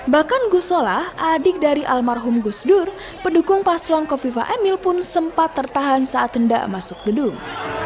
bahkan gusola adik dari almarhum gus dur pendukung paslon kofifa emil pun sempat tertahan saat hendak masuk gedung